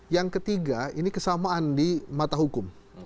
yang ketiga ini kesamaan di mata hukum